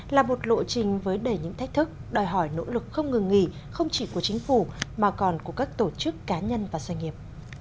là một lộ trình với đầy những thách thức đòi hỏi nỗ lực không ngừng nghỉ không chỉ của chính phủ mà còn của các tổ chức cá nhân và doanh nghiệp